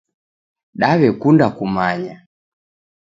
Dawekunda kumanya